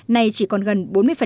nay chỉ còn gần bốn mươi